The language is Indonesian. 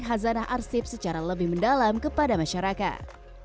pameran arsip virtual melibatkan keasikan arsip secara lebih mendalam kepada masyarakat